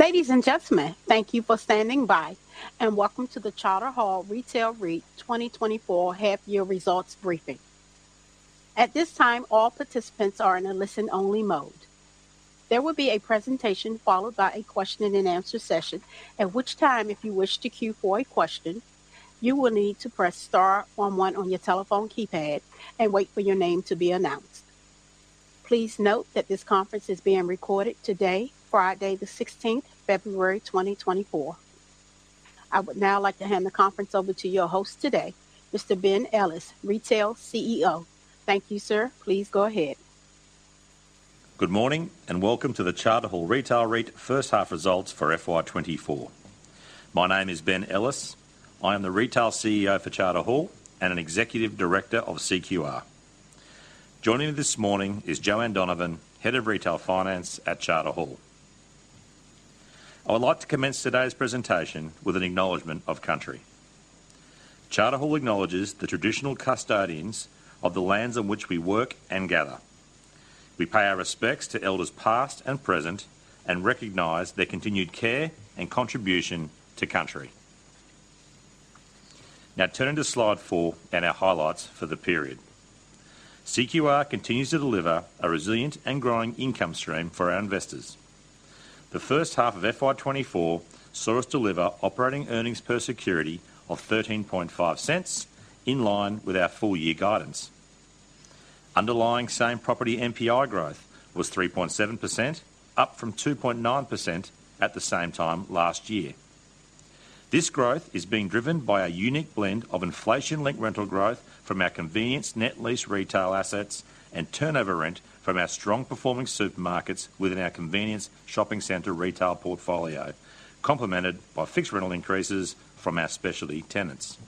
Ladies and gentlemen, thank you for standing by, and welcome to the Charter Hall Retail REIT 2024 half-year results briefing. At this time, all participants are in a listen-only mode. There will be a presentation followed by a question-and-answer session, at which time, if you wish to cue for a question, you will need to press star 11 on your telephone keypad and wait for your name to be announced. Please note that this conference is being recorded today, Friday the 16th, February 2024. I would now like to hand the conference over to your host today, Mr. Ben Ellis, Retail CEO. Thank you, sir. Please go ahead. Good morning and welcome to the Charter Hall Retail REIT first-half results for FY24. My name is Ben Ellis. I am the Retail CEO for Charter Hall and an Executive Director of CQR. Joining me this morning is Joanne Donovan, Head of Retail Finance at Charter Hall. I would like to commence today's presentation with an acknowledgment of country. Charter Hall acknowledges the traditional custodians of the lands on which we work and gather. We pay our respects to elders past and present and recognize their continued care and contribution to country. Now, turning to slide four and our highlights for the period. CQR continues to deliver a resilient and growing income stream for our investors. The first half of FY24 saw us deliver operating earnings per security of 0.135, in line with our full-year guidance. Underlying same-property NPI growth was 3.7%, up from 2.9% at the same time last year. This growth is being driven by a unique blend of inflation-linked rental growth from our convenience net lease retail assets and turnover rent from our strong-performing supermarkets within our convenience shopping center retail portfolio, complemented by fixed rental increases from our specialty tenants.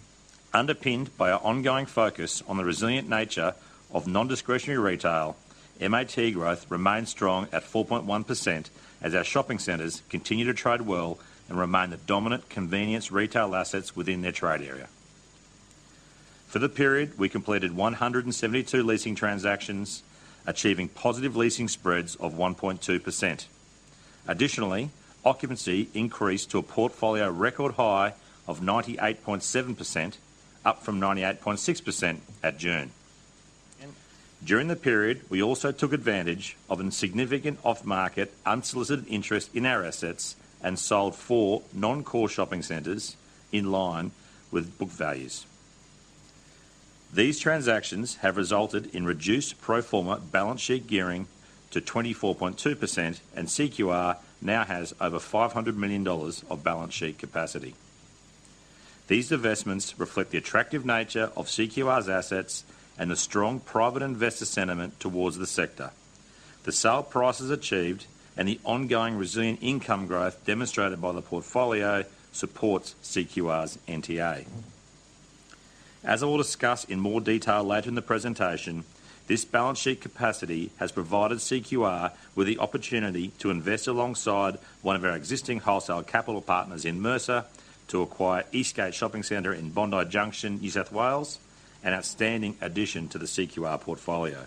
Underpinned by our ongoing focus on the resilient nature of nondiscretionary retail, MAT growth remained strong at 4.1% as our shopping centers continue to trade well and remain the dominant convenience retail assets within their trade area. For the period, we completed 172 leasing transactions, achieving positive leasing spreads of 1.2%. Additionally, occupancy increased to a portfolio record high of 98.7%, up from 98.6% at June. During the period, we also took advantage of a significant off-market unsolicited interest in our assets and sold four non-core shopping centers in line with book values. These transactions have resulted in reduced pro forma balance sheet gearing to 24.2%, and CQR now has over 500 million dollars of balance sheet capacity. These investments reflect the attractive nature of CQR's assets and the strong private investor sentiment towards the sector. The sale prices achieved and the ongoing resilient income growth demonstrated by the portfolio supports CQR's NTA. As I will discuss in more detail later in the presentation, this balance sheet capacity has provided CQR with the opportunity to invest alongside one of our existing wholesale capital partners in Mercer, to acquire Eastgate Shopping Centre in Bondi Junction, NSW, an outstanding addition to the CQR portfolio.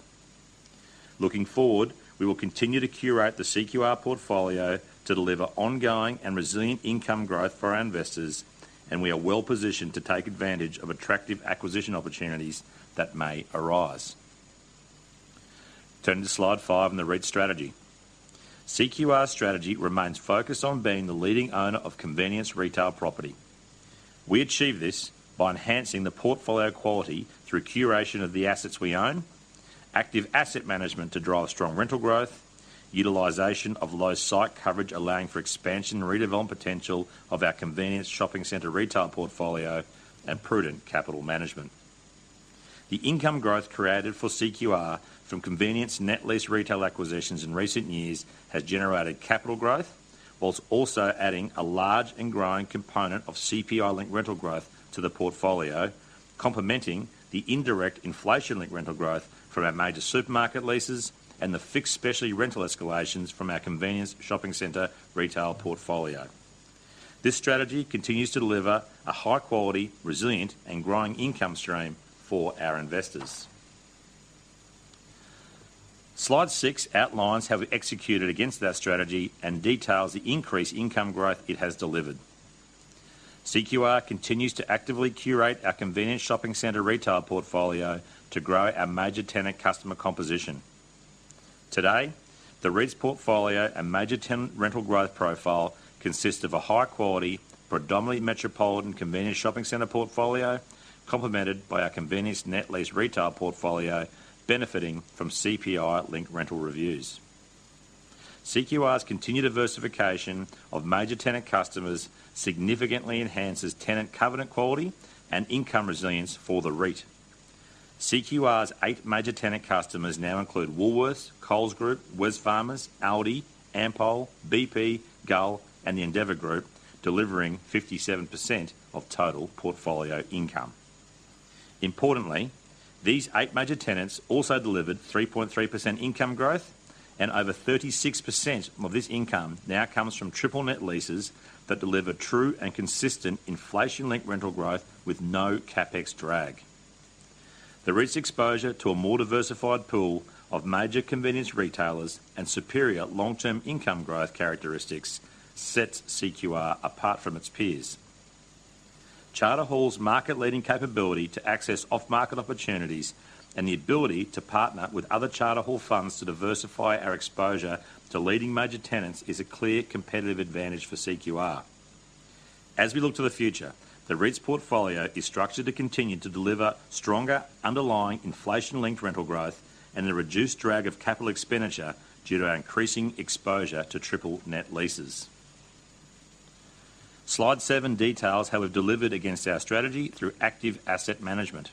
Looking forward, we will continue to curate the CQR portfolio to deliver ongoing and resilient income growth for our investors, and we are well-positioned to take advantage of attractive acquisition opportunities that may arise. Turning to slide 5 and the REIT strategy. CQR's strategy remains focused on being the leading owner of convenience retail property. We achieve this by enhancing the portfolio quality through curation of the assets we own, active asset management to drive strong rental growth, utilization of low site coverage allowing for expansion and redevelopment potential of our convenience shopping center retail portfolio, and prudent capital management. The income growth created for CQR from convenience net lease retail acquisitions in recent years has generated capital growth, while also adding a large and growing component of CPI-linked rental growth to the portfolio, complementing the indirect inflation-linked rental growth from our major supermarket leases and the fixed specialty rental escalations from our convenience shopping center retail portfolio. This strategy continues to deliver a high-quality, resilient, and growing income stream for our investors. Slide 6 outlines how we executed against that strategy and details the increased income growth it has delivered. CQR continues to actively curate our convenience shopping center retail portfolio to grow our major tenant customer composition. Today, the REIT's portfolio and major tenant rental growth profile consist of a high-quality, predominantly metropolitan convenience shopping center portfolio, complemented by our convenience net lease retail portfolio benefiting from CPI-linked rental reviews. CQR's continued diversification of major tenant customers significantly enhances tenant covenant quality and income resilience for the REIT. CQR's eight major tenant customers now include Woolworths, Coles Group, Wesfarmers, ALDI, Ampol, BP, Gull, and the Endeavour Group, delivering 57% of total portfolio income. Importantly, these eight major tenants also delivered 3.3% income growth, and over 36% of this income now comes from triple net leases that deliver true and consistent inflation-linked rental growth with no CapEx drag. The REIT's exposure to a more diversified pool of major convenience retailers and superior long-term income growth characteristics sets CQR apart from its peers. Charter Hall's market-leading capability to access off-market opportunities and the ability to partner with other Charter Hall funds to diversify our exposure to leading major tenants is a clear competitive advantage for CQR. As we look to the future, the REIT's portfolio is structured to continue to deliver stronger underlying inflation-linked rental growth and the reduced drag of capital expenditure due to our increasing exposure to triple net leases. Slide 7 details how we've delivered against our strategy through active asset management.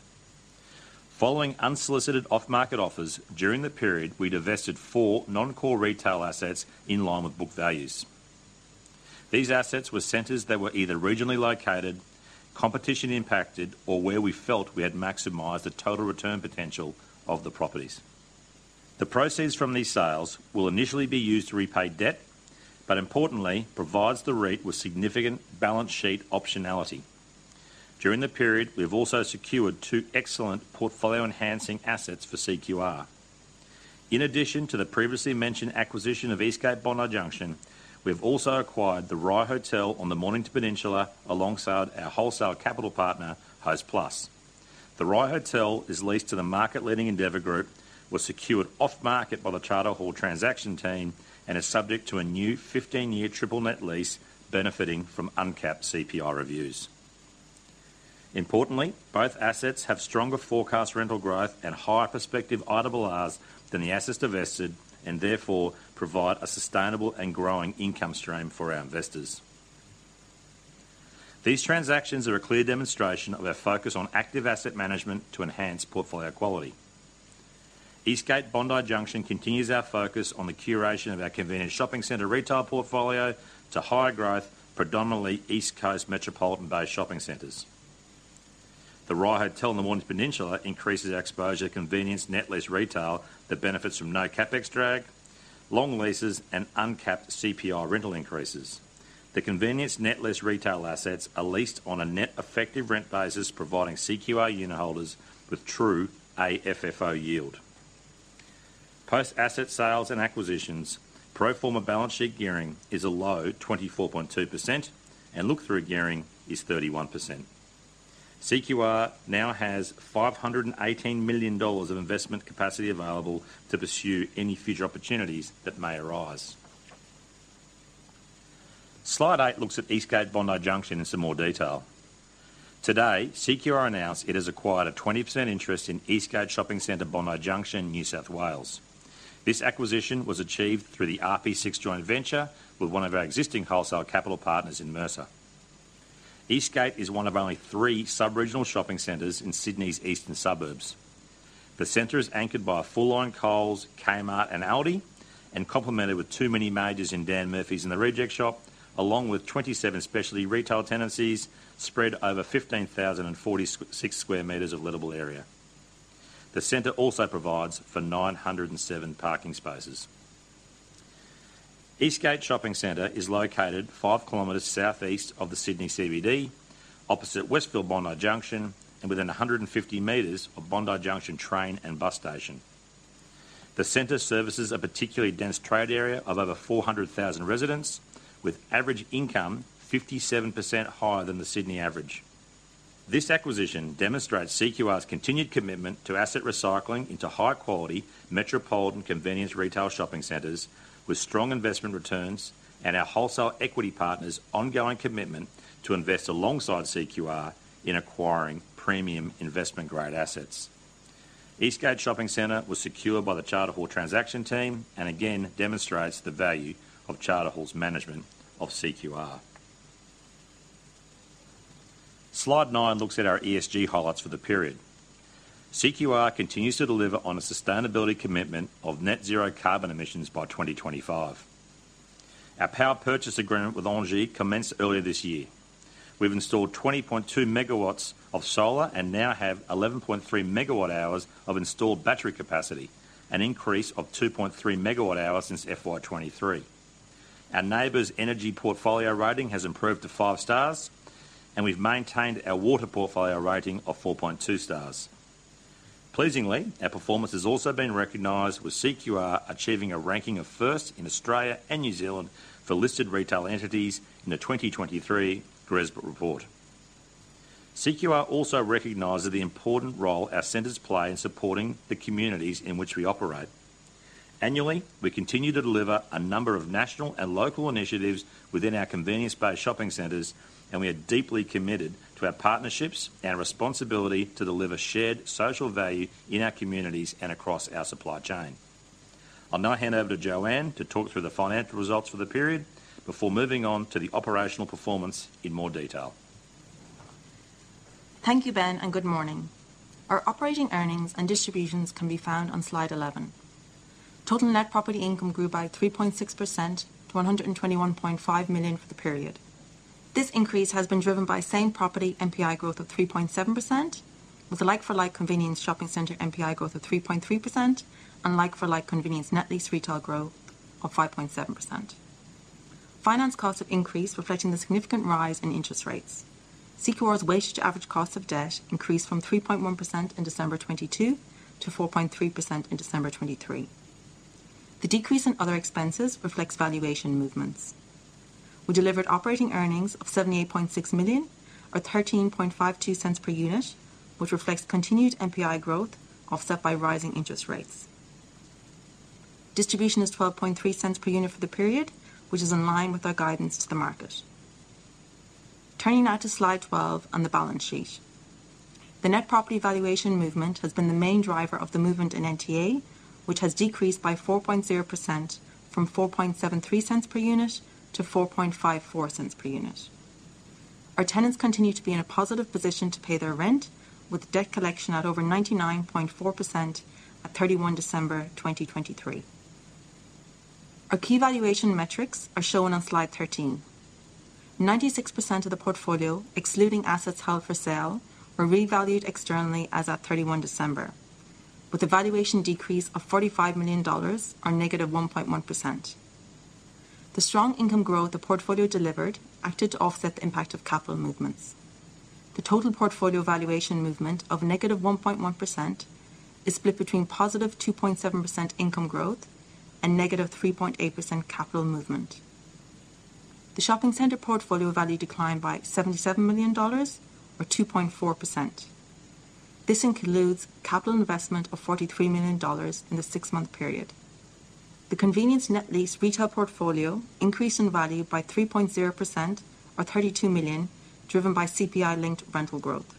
Following unsolicited off-market offers during the period, we divested 4 non-core retail assets in line with book values. These assets were centers that were either regionally located, competition-impacted, or where we felt we had maximized the total return potential of the properties. The proceeds from these sales will initially be used to repay debt, but importantly, provides the REIT with significant balance sheet optionality. During the period, we have also secured 2 excellent portfolio-enhancing assets for CQR. In addition to the previously mentioned acquisition of Eastgate Bondi Junction, we have also acquired the Rye Hotel on the Mornington Peninsula alongside our wholesale capital partner, Hostplus. The Rye Hotel is leased to the market-leading Endeavour Group, was secured off-market by the Charter Hall transaction team, and is subject to a new 15-year triple net lease benefiting from uncapped CPI reviews. Importantly, both assets have stronger forecast rental growth and higher prospective IRRs than the assets divested, and therefore provide a sustainable and growing income stream for our investors. These transactions are a clear demonstration of our focus on active asset management to enhance portfolio quality. Eastgate Bondi Junction continues our focus on the curation of our convenience shopping center retail portfolio to higher growth, predominantly East Coast metropolitan-based shopping centers. The Rye Hotel on the Mornington Peninsula increases our exposure to convenience net lease retail that benefits from no CapEx drag, long leases, and uncapped CPI rental increases. The convenience net lease retail assets are leased on a net effective rent basis, providing CQR unit holders with true AFFO yield. Post-asset sales and acquisitions, pro forma balance sheet gearing is a low 24.2%, and look-through gearing is 31%. CQR now has 518 million dollars of investment capacity available to pursue any future opportunities that may arise. Slide 8 looks at Eastgate Bondi Junction in some more detail. Today, CQR announced it has acquired a 20% interest in Eastgate Shopping Centre Bondi Junction, NSW. This acquisition was achieved through the RP6 joint venture with one of our existing wholesale capital partners in Mercer. Eastgate is one of only three subregional shopping centres in Sydney's eastern suburbs. The center is anchored by a full-line Coles, Kmart, and ALDI, and complemented with two mini-majors in Dan Murphy's and the Reject Shop, along with 27 specialty retail tenancies spread over 15,046 square meters of leasable area. The center also provides for 907 parking spaces. Eastgate Shopping Centre is located 5 kilometers southeast of the Sydney CBD, opposite Westfield Bondi Junction, and within 150 meters of Bondi Junction train and bus station. The center services a particularly dense trade area of over 400,000 residents, with average income 57% higher than the Sydney average. This acquisition demonstrates CQR's continued commitment to asset recycling into high-quality metropolitan convenience retail shopping centers, with strong investment returns, and our wholesale equity partners' ongoing commitment to invest alongside CQR in acquiring premium investment-grade assets. Eastgate Shopping Centre was secured by the Charter Hall transaction team and again demonstrates the value of Charter Hall's management of CQR. Slide nine looks at our ESG highlights for the period. CQR continues to deliver on a sustainability commitment of net-zero carbon emissions by 2025. Our power purchase agreement with ENGIE commenced earlier this year. We've installed 20.2 megawatts of solar and now have 11.3 megawatt-hours of installed battery capacity, an increase of 2.3 megawatt-hours since FY23. Our NABERS energy portfolio rating has improved to five stars, and we've maintained our water portfolio rating of 4.2 stars. Pleasingly, our performance has also been recognized with CQR achieving a ranking of first in Australia and New Zealand for listed retail entities in the 2023 GRESB Report. CQR also recognizes the important role our centres play in supporting the communities in which we operate. Annually, we continue to deliver a number of national and local initiatives within our convenience-based shopping centers, and we are deeply committed to our partnerships and responsibility to deliver shared social value in our communities and across our supply chain. I'll now hand over to Joanne to talk through the financial results for the period before moving on to the operational performance in more detail. Thank you, Ben, and good morning. Our operating earnings and distributions can be found on Slide 11. Total net property income grew by 3.6% to 121.5 million for the period. This increase has been driven by same-property NPI growth of 3.7%, with a like-for-like convenience shopping center NPI growth of 3.3%, and like-for-like convenience net lease retail growth of 5.7%. Finance costs have increased, reflecting the significant rise in interest rates. CQR's weighted-average cost of debt increased from 3.1% in December 2022 to 4.3% in December 2023. The decrease in other expenses reflects valuation movements. We delivered operating earnings of 78.6 million, or 0.1352 per unit, which reflects continued NPI growth offset by rising interest rates. Distribution is 0.1230 per unit for the period, which is in line with our guidance to the market. Turning now to slide 12 and the balance sheet. The net property valuation movement has been the main driver of the movement in NTA, which has decreased by 4.0% from 0.473 per unit to 0.454 per unit. Our tenants continue to be in a positive position to pay their rent, with rent collection at over 99.4% at 31 December 2023. Our key valuation metrics are shown on slide 13. 96% of the portfolio, excluding assets held for sale, were revalued externally as of 31 December, with a valuation decrease of AUD 45 million or -1.1%. The strong income growth the portfolio delivered acted to offset the impact of capital movements. The total portfolio valuation movement of -1.1% is split between +2.7% income growth and -3.8% capital movement. The shopping center portfolio value declined by AUD 77 million or 2.4%. This includes capital investment of AUD 43 million in the six-month period. The convenience net lease retail portfolio increased in value by 3.0% or 32 million, driven by CPI-linked rental growth.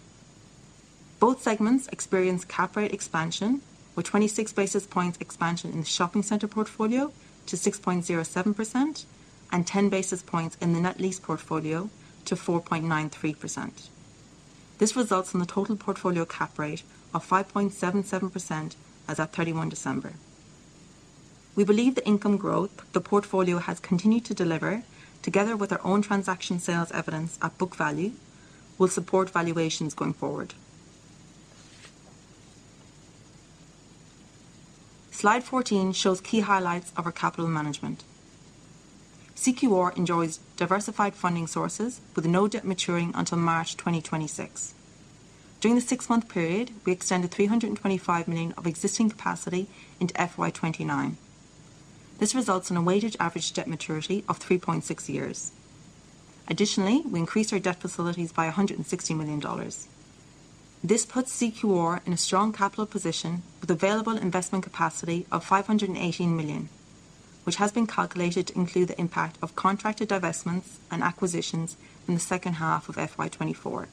Both segments experienced cap-rate expansion, with 26 basis points expansion in the shopping center portfolio to 6.07% and 10 basis points in the net lease portfolio to 4.93%. This results in the total portfolio cap-rate of 5.77% as of 31 December. We believe the income growth the portfolio has continued to deliver, together with our own transaction sales evidence at book value, will support valuations going forward. Slide 14 shows key highlights of our capital management. CQR enjoys diversified funding sources, with no debt maturing until March 2026. During the six-month period, we extended 325 million of existing capacity into FY2029. This results in a weighted average debt maturity of 3.6 years. Additionally, we increased our debt facilities by 160 million dollars. This puts CQR in a strong capital position with available investment capacity of 518 million, which has been calculated to include the impact of contracted divestments and acquisitions in the second half of FY2024.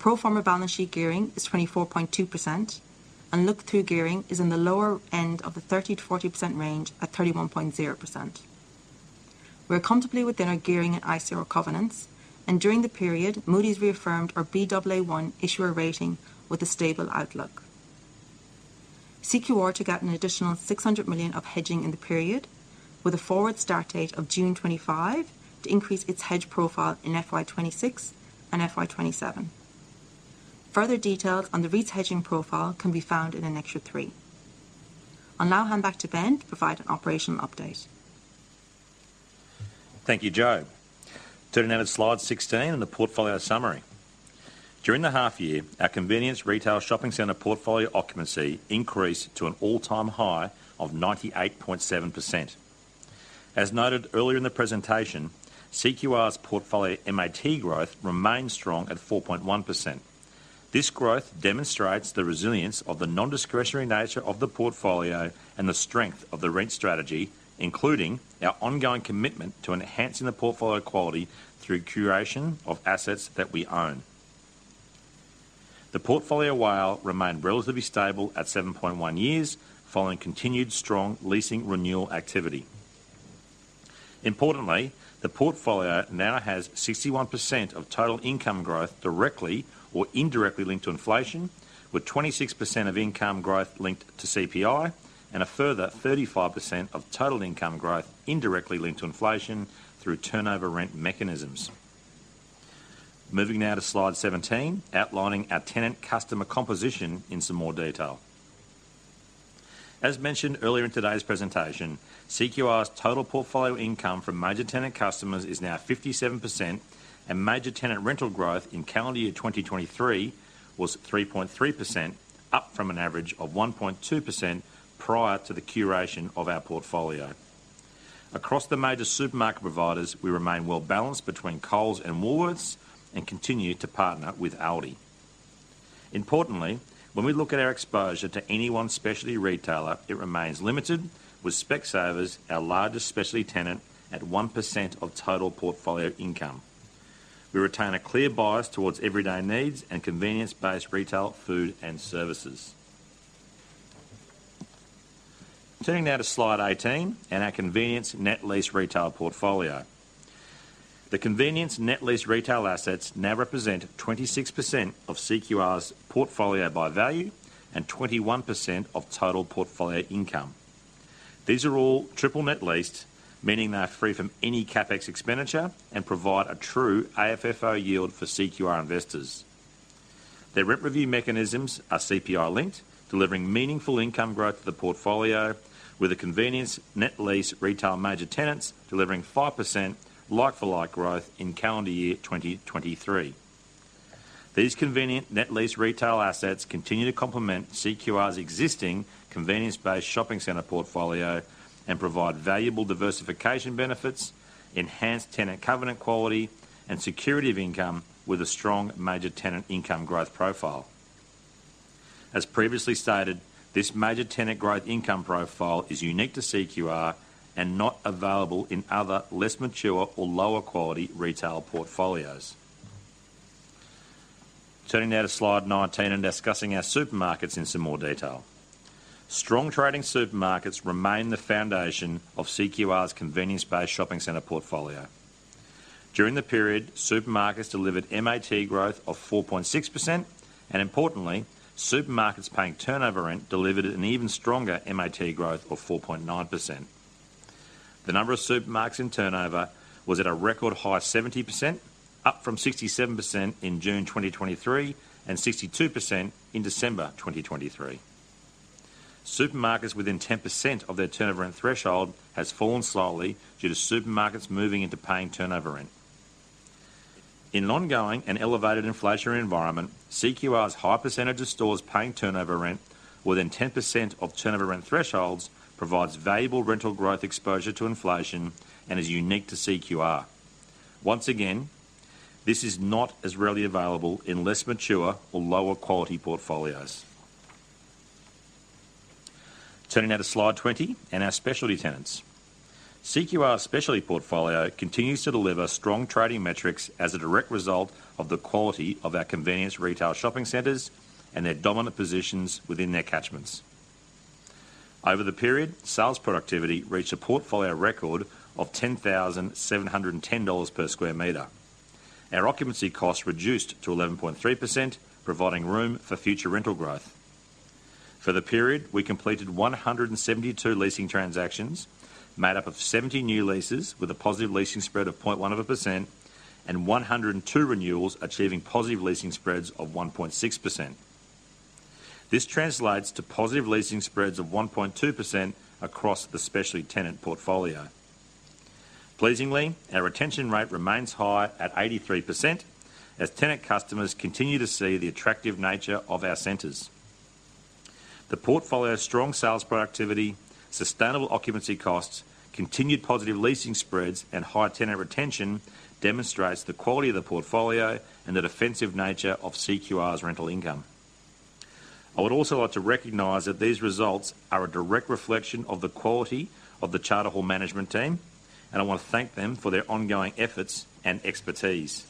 Pro forma balance sheet gearing is 24.2%, and look-through gearing is in the lower end of the 30% to 40% range at 31.0%. We are comfortably within our gearing and ICR covenants, and during the period, Moody's reaffirmed our Baa1 issuer rating with a stable outlook. CQR to get an additional 600 million of hedging in the period, with a forward start date of June 25 to increase its hedge profile in FY26 and FY27. Further details on the REIT's hedging profile can be found in Annexure 3. I'll now hand back to Ben to provide an operational update. Thank you, Joe. Turning now to slide 16 and the portfolio summary. During the half-year, our convenience retail shopping center portfolio occupancy increased to an all-time high of 98.7%. As noted earlier in the presentation, CQR's portfolio MAT growth remained strong at 4.1%. This growth demonstrates the resilience of the nondiscretionary nature of the portfolio and the strength of the REIT strategy, including our ongoing commitment to enhancing the portfolio quality through curation of assets that we own. The portfolio WALE remained relatively stable at 7.1 years following continued strong leasing renewal activity. Importantly, the portfolio now has 61% of total income growth directly or indirectly linked to inflation, with 26% of income growth linked to CPI and a further 35% of total income growth indirectly linked to inflation through turnover rent mechanisms. Moving now to slide 17, outlining our tenant customer composition in some more detail. As mentioned earlier in today's presentation, CQR's total portfolio income from major tenant customers is now 57%, and major tenant rental growth in calendar year 2023 was 3.3%, up from an average of 1.2% prior to the curation of our portfolio. Across the major supermarket providers, we remain well-balanced between Coles and Woolworths and continue to partner with ALDI. Importantly, when we look at our exposure to any one specialty retailer, it remains limited, with Specsavers our largest specialty tenant at 1% of total portfolio income. We retain a clear bias towards everyday needs and convenience-based retail food and services. Turning now to slide 18 and our convenience net lease retail portfolio. The convenience net lease retail assets now represent 26% of CQR's portfolio by value and 21% of total portfolio income. These are all triple net leased, meaning they are free from any CapEx expenditure and provide a true AFFO yield for CQR investors. Their rent review mechanisms are CPI-linked, delivering meaningful income growth to the portfolio, with the convenience net lease retail major tenants delivering 5% like-for-like growth in calendar year 2023. These convenience net lease retail assets continue to complement CQR's existing convenience-based shopping center portfolio and provide valuable diversification benefits, enhanced tenant covenant quality, and security of income with a strong major tenant income growth profile. As previously stated, this major tenant growth income profile is unique to CQR and not available in other less mature or lower-quality retail portfolios. Turning now to slide 19 and discussing our supermarkets in some more detail. Strong trading supermarkets remain the foundation of CQR's convenience-based shopping center portfolio. During the period, supermarkets delivered MAT growth of 4.6% and, importantly, supermarkets paying turnover rent delivered an even stronger MAT growth of 4.9%. The number of supermarkets in turnover was at a record high 70%, up from 67% in June 2023 and 62% in December 2023. Supermarkets within 10% of their turnover rent threshold have fallen slowly due to supermarkets moving into paying turnover rent. In an ongoing and elevated inflationary environment, CQR's high percentage of stores paying turnover rent within 10% of turnover rent thresholds provides valuable rental growth exposure to inflation and is unique to CQR. Once again, this is not as readily available in less mature or lower-quality portfolios. Turning now to slide 20 and our specialty tenants. CQR's specialty portfolio continues to deliver strong trading metrics as a direct result of the quality of our convenience retail shopping centers and their dominant positions within their catchments. Over the period, sales productivity reached a portfolio record of 10,710 dollars per square meter. Our occupancy costs reduced to 11.3%, providing room for future rental growth. For the period, we completed 172 leasing transactions, made up of 70 new leases with a positive leasing spread of 0.1% and 102 renewals achieving positive leasing spreads of 1.6%. This translates to positive leasing spreads of 1.2% across the specialty tenant portfolio. Pleasingly, our retention rate remains high at 83% as tenant customers continue to see the attractive nature of our centers. The portfolio's strong sales productivity, sustainable occupancy costs, continued positive leasing spreads, and high tenant retention demonstrate the quality of the portfolio and the defensive nature of CQR's rental income. I would also like to recognize that these results are a direct reflection of the quality of the Charter Hall management team, and I want to thank them for their ongoing efforts and expertise.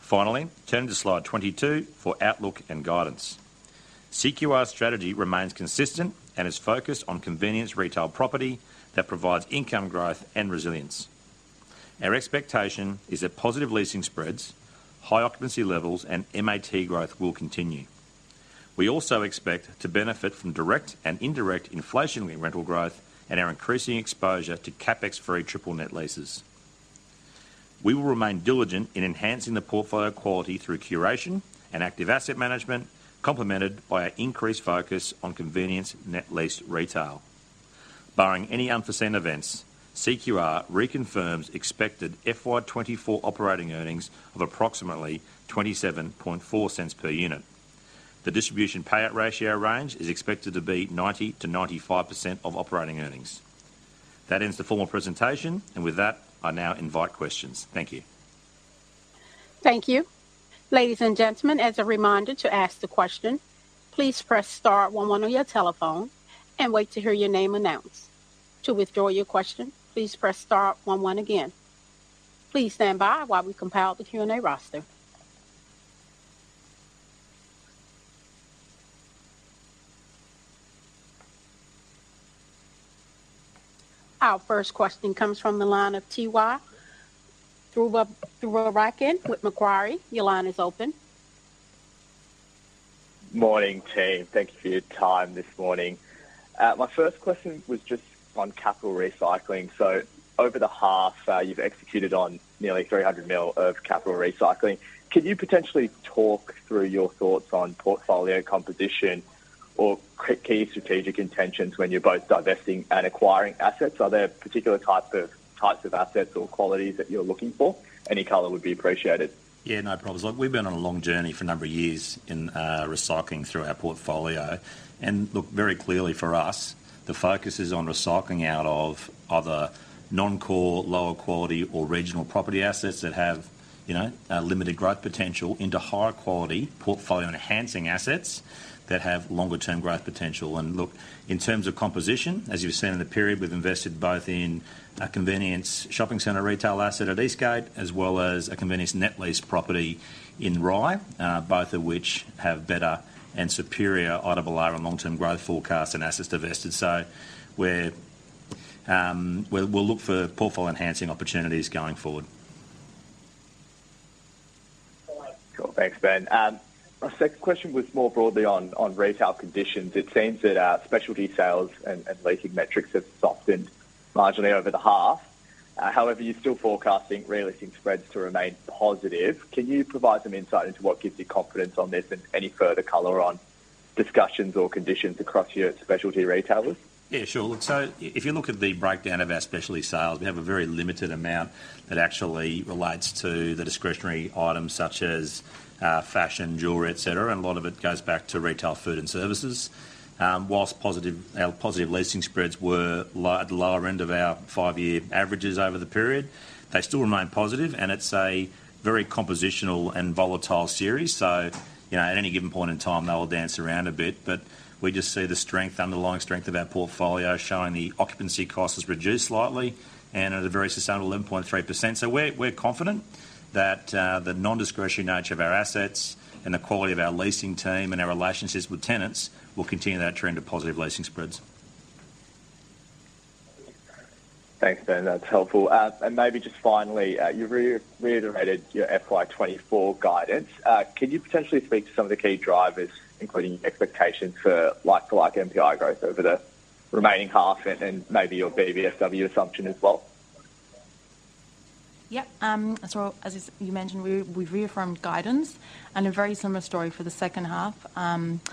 Finally, turning to slide 22 for outlook and guidance. CQR's strategy remains consistent and is focused on convenience retail property that provides income growth and resilience. Our expectation is that positive leasing spreads, high occupancy levels, and MAT growth will continue. We also expect to benefit from direct and indirect inflationary rental growth and our increasing exposure to CapEx-free triple net leases. We will remain diligent in enhancing the portfolio quality through curation and active asset management, complemented by our increased focus on convenience net leased retail. Barring any unforeseen events, CQR reconfirms expected FY2024 operating earnings of approximately 0.274 per unit. The distribution payout ratio range is expected to be 90% to 95% of operating earnings. That ends the formal presentation, and with that, I now invite questions. Thank you. Thank you. Ladies and gentlemen, as a reminder to ask the question, please press star 1 1 on your telephone and wait to hear your name announced. To withdraw your question, please press star 1 1 again. Please stand by while we compile the Q&A roster. Our first question comes from the line of Tay Ryken with Macquarie. Your line is open. Morning, Team. Thank you for your time this morning. My first question was just on capital recycling. So, over the half, you've executed on nearly 300 million of capital recycling. Can you potentially talk through your thoughts on portfolio composition or key strategic intentions when you're both divesting and acquiring assets? Are there particular types of assets or qualities that you're looking for? Any color would be appreciated. Yeah, no problems. We've been on a long journey for a number of years in recycling through our portfolio. And, look, very clearly for us, the focus is on recycling out of other non-core, lower-quality, or regional property assets that have limited growth potential into higher-quality portfolio-enhancing assets that have longer-term growth potential. Look, in terms of composition, as you've seen in the period, we've invested both in a convenience shopping center retail asset at Eastgate as well as a convenience net leased property in Rye, both of which have better and superior audible overall] long-term growth forecasts and assets divested. So, we'll look for portfolio-enhancing opportunities going forward. Cool. Thanks, Ben. Our second question was more broadly on retail conditions. It seems that specialty sales and leasing metrics have softened marginally over the half. However, you're still forecasting re-leasing spreads to remain positive. Can you provide some insight into what gives you confidence on this and any further color on discussions or conditions across your specialty retailers? Yeah, sure. Look, so if you look at the breakdown of our specialty sales, we have a very limited amount that actually relates to the discretionary items such as fashion, jewelry, etc., and a lot of it goes back to retail food and services. While positive leasing spreads were at the lower end of our five-year averages over the period, they still remain positive. And it's a very compositional and volatile series. So, at any given point in time, they will dance around a bit. But we just see the underlying strength of our portfolio showing the occupancy cost has reduced slightly and at a very sustainable 11.3%. So, we're confident that the nondiscretionary nature of our assets and the quality of our leasing team and our relationships with tenants will continue that trend of positive leasing spreads. Thanks, Ben. That's helpful. And maybe just finally, you reiterated your FY2024 guidance. Can you potentially speak to some of the key drivers, including expectations for like-for-like NPI growth over the remaining half and maybe your BBSW assumption as well? Yep. So, as you mentioned, we've reaffirmed guidance. A very similar story for the second half: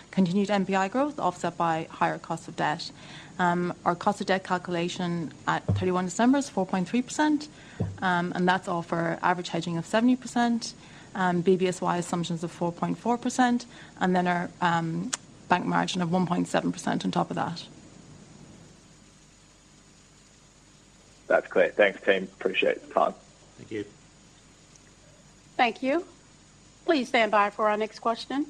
continued NPI growth offset by higher cost of debt. Our cost of debt calculation at 31 December is 4.3%, and that's off for average hedging of 70%, BBSY assumptions of 4.4%, and then our bank margin of 1.7% on top of that. That's great. Thanks, team. Appreciate the time. Thank you. Thank you. Please stand by for our next question.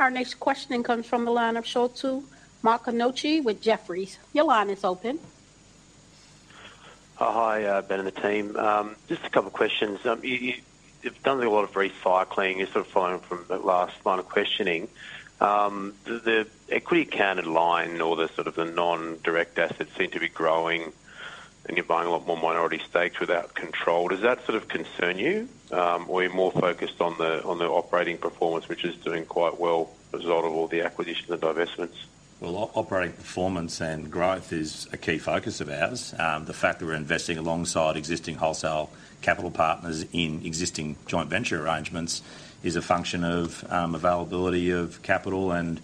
Our next question comes from the line of Sholto Maconochie with Jefferies. Your line is open. Hi, Ben and the team. Just a couple of questions. You've done a lot of recycling. You're sort of following from the last line of questioning. The equity capital line or the sort of the indirect assets seem to be growing, and you're buying a lot more minority stakes without control. Does that sort of concern you? Are you more focused on the operating performance, which is doing quite well as a result of all the acquisitions and divestments? Well, operating performance and growth is a key focus of ours. The fact that we're investing alongside existing wholesale capital partners in existing joint venture arrangements is a function of availability of capital and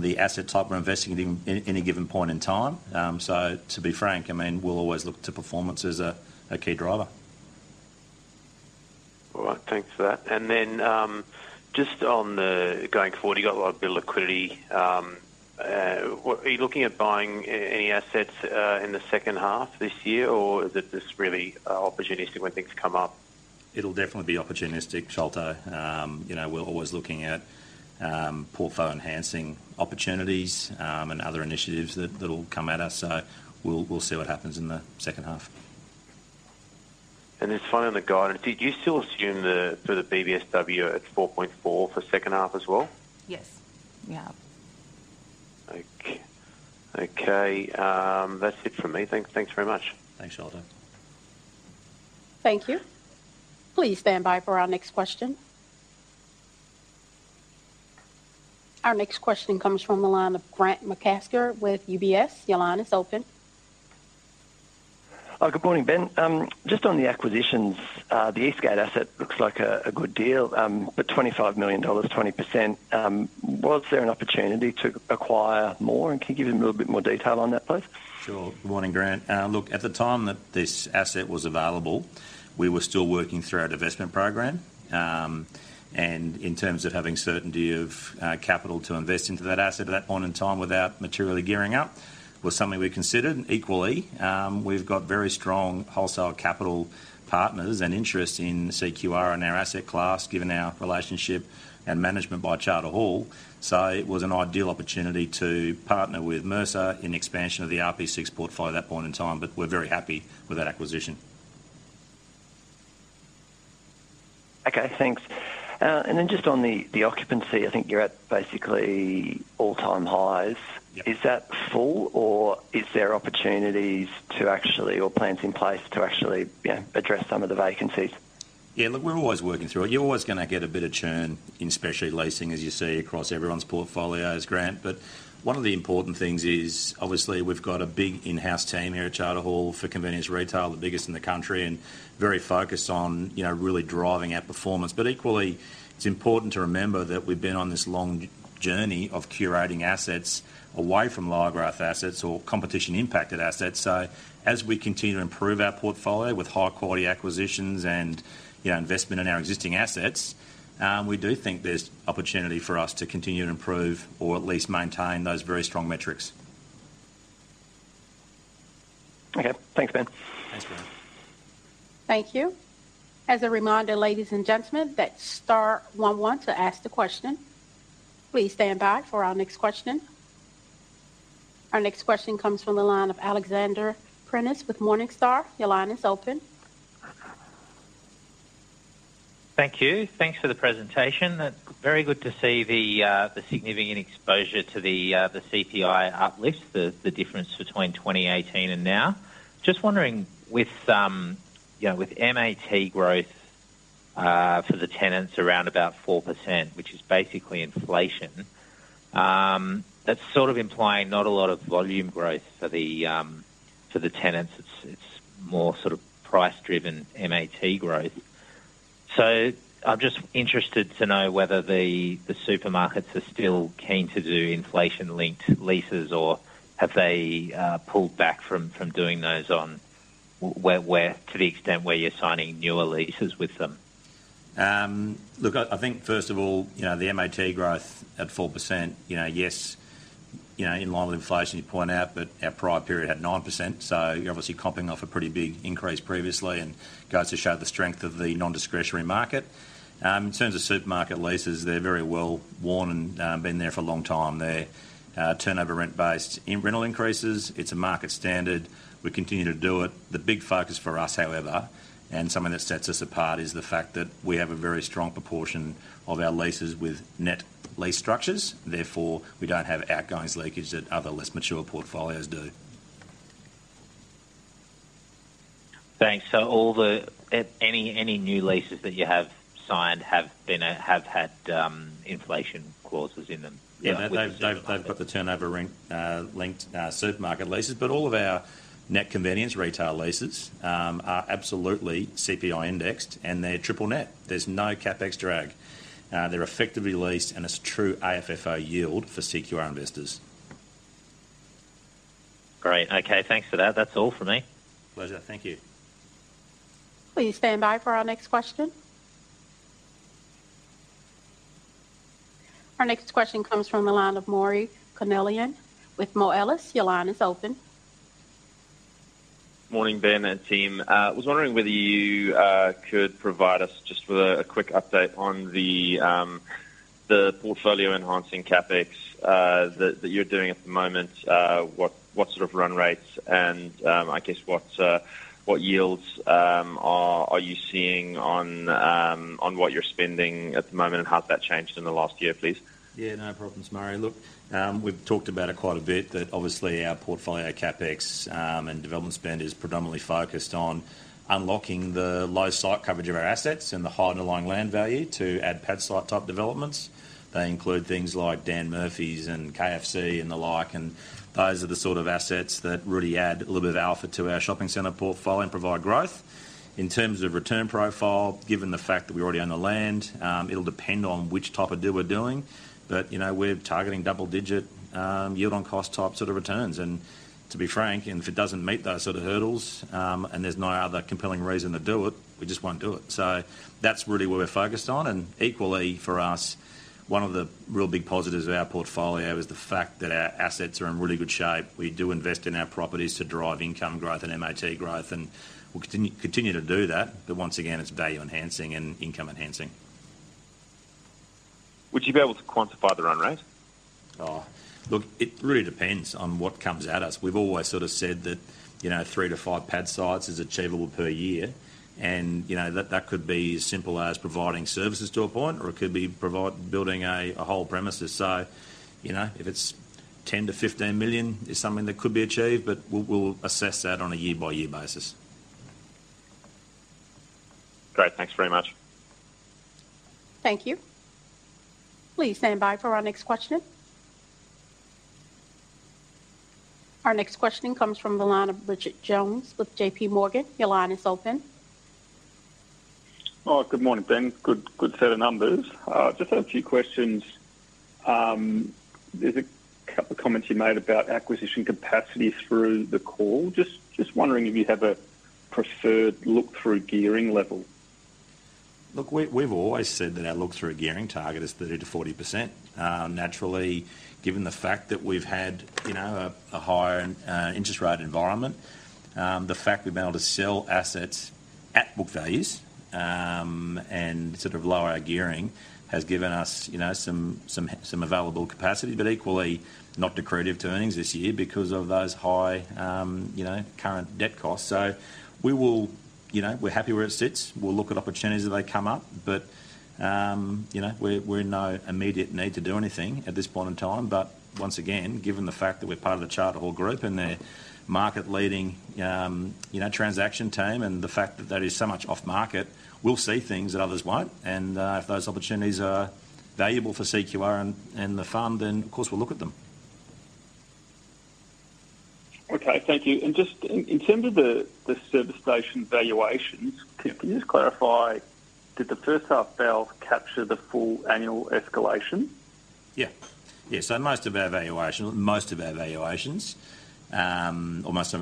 the asset type we're investing in at any given point in time. So, to be frank, I mean, we'll always look to performance as a key driver. All right. Thanks for that. And then, just going forward, you've got a lot of liquidity. Are you looking at buying any assets in the second half this year, or is it just really opportunistic when things come up? It'll definitely be opportunistic, Shotu. We're always looking at portfolio-enhancing opportunities and other initiatives that'll come at us. So, we'll see what happens in the second half. And just finally, on the guidance, do you still assume for the BBSW at 4.4 for second half as well? Yes. Yeah. Okay. Okay. That's it from me. Thanks very much. Thanks, Shotu. Thank you. Please stand by for our next question. Our next question comes from the line of Grant McCasker with UBS. Your line is open. Good morning, Ben. Just on the acquisitions, the Eastgate asset looks like a good deal, but 25 million dollars, 20%. Was there an opportunity to acquire more? And can you give us a little bit more detail on that, please? Sure. Good morning, Grant. Look, at the time that this asset was available, we were still working through our divestment program. In terms of having certainty of capital to invest into that asset at that point in time without materially gearing up was something we considered equally. We've got very strong wholesale capital partners and interest in CQR and our asset class given our relationship and management by Charter Hall. It was an ideal opportunity to partner with Mercer in expansion of the RP6 portfolio at that point in time. We're very happy with that acquisition. Okay. Thanks. Just on the occupancy, I think you're at basically all-time highs. Is that full, or is there opportunities to actually or plans in place to actually address some of the vacancies? Yeah. Look, we're always working through it. You're always going to get a bit of churn in specialty leasing, as you see across everyone's portfolio, as Grant. But one of the important things is, obviously, we've got a big in-house team here at Charter Hall for convenience retail, the biggest in the country, and very focused on really driving our performance. But equally, it's important to remember that we've been on this long journey of curating assets away from low-growth assets or competition-impacted assets. So, as we continue to improve our portfolio with high-quality acquisitions and investment in our existing assets, we do think there's opportunity for us to continue to improve or at least maintain those very strong metrics. Okay. Thanks, Ben. Thanks, Brad. Thank you. As a reminder, ladies and gentlemen, that's star 1 1 to ask the question. Please stand by for our next question. Our next question comes from the line of Alexander Prineas with Morningstar. Your line is open. Thank you. Thanks for the presentation. Very good to see the significant exposure to the CPI uplifts, the difference between 2018 and now. Just wondering, with MAT growth for the tenants around about 4%, which is basically inflation, that's sort of implying not a lot of volume growth for the tenants. It's more sort of price-driven MAT growth. So, I'm just interested to know whether the supermarkets are still keen to do inflation-linked leases, or have they pulled back from doing those to the extent where you're signing newer leases with them? Look, I think, first of all, the MAT growth at 4%, yes, in line with inflation, you point out. But our prior period had 9%. So, you're obviously copping off a pretty big increase previously, and it goes to show the strength of the nondiscretionary market. In terms of supermarket leases, they're very well-worn and been there for a long time. They're turnover rent-based rental increases. It's a market standard. We continue to do it. The big focus for us, however, and something that sets us apart is the fact that we have a very strong proportion of our leases with net lease structures. Therefore, we don't have outgoings leakage that other less mature portfolios do. Thanks. So, any new leases that you have signed have had inflation clauses in them? Yeah. They've got the turnover-linked supermarket leases. But all of our net convenience retail leases are absolutely CPI-indexed, and they're triple net. There's no CapEx drag. They're effectively leased, and it's a true AFFO yield for CQR investors. Great. Okay. Thanks for that. That's all from me. Pleasure. Thank you. Please stand by for our next question. Our next question comes from the line of Maurice Connellian with Moelis. Your line is open. Morning, Ben and team. I was wondering whether you could provide us just with a quick update on the portfolio-enhancing CapEx that you're doing at the moment, what sort of run rates, and I guess what yields are you seeing on what you're spending at the moment and how's that changed in the last year, please? Yeah. No problems, Maurice. Look, we've talked about it quite a bit, that obviously our portfolio CapEx and development spend is predominantly focused on unlocking the low site coverage of our assets and the high underlying land value to add pad site-type developments. They include things like Dan Murphy's and KFC and the like. And those are the sort of assets that really add a little bit of alpha to our shopping center portfolio and provide growth. In terms of return profile, given the fact that we already own the land, it'll depend on which type of deal we're doing. But we're targeting double-digit yield-on-cost type sort of returns. And to be frank, if it doesn't meet those sort of hurdles and there's no other compelling reason to do it, we just won't do it. So, that's really what we're focused on. And equally, for us, one of the real big positives of our portfolio is the fact that our assets are in really good shape. We do invest in our properties to drive income growth and MAT growth, and we'll continue to do that. But once again, it's value-enhancing and income-enhancing. Would you be able to quantify the run rate? Look, it really depends on what comes at us. We've always sort of said that 3-5 pad sites is achievable per year. And that could be as simple as providing services to a point, or it could be building a whole premises. So, if it's 10 million-15 million is something that could be achieved, but we'll assess that on a year-by-year basis. Great. Thanks very much. Thank you. Please stand by for our next question. Our next question comes from the line of Richard Jones with JP Morgan. Your line is open. Good morning, Ben. Good set of numbers. Just a few questions. There's a couple of comments you made about acquisition capacity through the call. Just wondering if you have a preferred look-through gearing level. Look, we've always said that our look-through gearing target is 30% to 40%. Naturally, given the fact that we've had a higher interest-rate environment, the fact we've been able to sell assets at book values and sort of lower our gearing has given us some available capacity, but equally not detractive to earnings this year because of those high current debt costs. So, we're happy where it sits. We'll look at opportunities as they come up. But we're in no immediate need to do anything at this point in time. But once again, given the fact that we're part of the Charter Hall Group and their market-leading transaction team and the fact that that is so much off-market, we'll see things that others won't. And if those opportunities are valuable for CQR and the fund, then, of course, we'll look at them. Okay. Thank you. And just in terms of the service station valuations, can you just clarify, did the first half valuations capture the full annual escalation? Yeah. Yeah. So, most of our valuations or most of our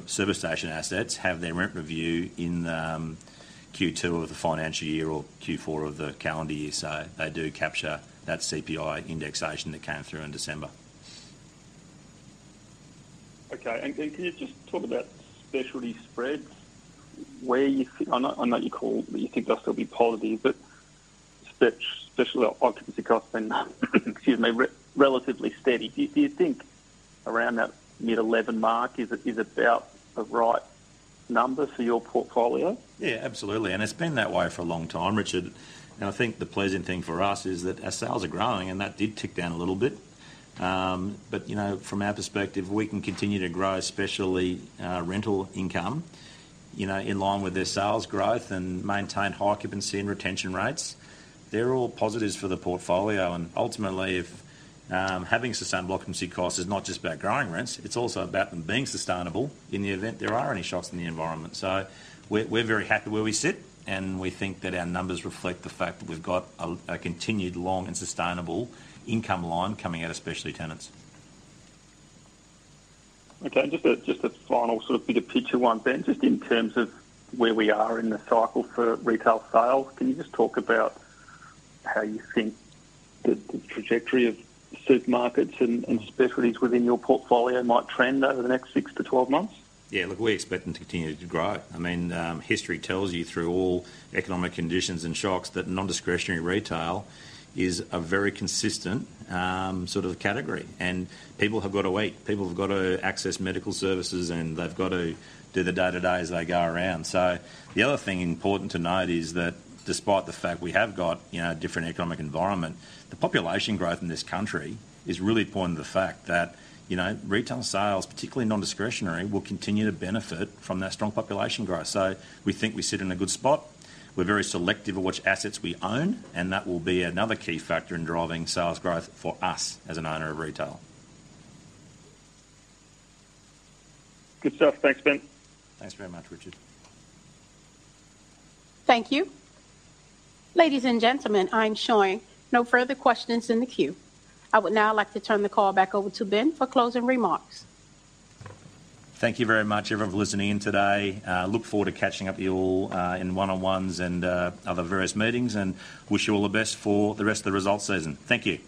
service station assets have their rent review in Q2 of the financial year or Q4 of the calendar year. So, they do capture that CPI indexation that came through in December. Okay. And can you just talk about specialty spreads? I know you said that you think they'll still be positive, but specialty occupancy costs have been, excuse me, relatively steady. Do you think around that mid-11% mark is about the right number for your portfolio? Yeah. Absolutely. And it's been that way for a long time, Richard. And I think the pleasant thing for us is that our sales are growing, and that did tick down a little bit. But from our perspective, we can continue to grow specialty rental income in line with their sales growth and maintain high occupancy and retention rates. They're all positives for the portfolio. And ultimately, having sustainable occupancy costs is not just about growing rents. It's also about them being sustainable in the event there are any shocks in the environment. So, we're very happy where we sit, and we think that our numbers reflect the fact that we've got a continued long and sustainable income line coming out of specialty tenants. Okay. And just a final sort of bigger picture one, Ben, just in terms of where we are in the cycle for retail sales, can you just talk about how you think the trajectory of supermarkets and specialties within your portfolio might trend over the next 6-12 months? Yeah. Look, we expect them to continue to grow. I mean, history tells you through all economic conditions and shocks that nondiscretionary retail is a very consistent sort of category. People have got to eat. People have got to access medical services, and they've got to do the day-to-day as they go around. The other thing important to note is that despite the fact we have got a different economic environment, the population growth in this country is really pointing to the fact that retail sales, particularly nondiscretionary, will continue to benefit from that strong population growth. We think we sit in a good spot. We're very selective at which assets we own, and that will be another key factor in driving sales growth for us as an owner of retail. Good stuff. Thanks, Ben. Thanks very much, Richard. Thank you. Ladies and gentlemen, I'm showing no further questions in the queue. I would now like to turn the call back over to Ben for closing remarks. Thank you very much, everyone, for listening in today. Look forward to catching up with you all in one-on-ones and other various meetings, and wish you all the best for the rest of the result season. Thank you.